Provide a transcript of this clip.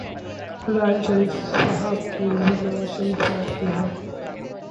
راحیل شریف صاحب کی عزت نوازشریف صاحب کی عزت ہے۔